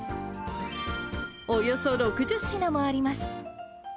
およそ６０品もあります。